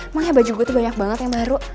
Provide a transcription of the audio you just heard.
emangnya baju gue tuh banyak banget yang baru